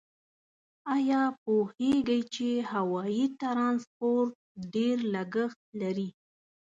آیا پوهیږئ چې هوایي ترانسپورت ډېر لګښت لري؟